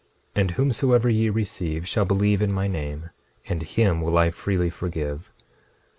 And whomsoever ye receive shall believe in my name; and him will I freely forgive.